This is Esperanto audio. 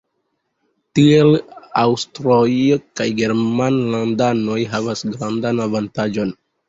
Tiel aŭstroj kaj germanlandanoj havas grandan avantaĝon.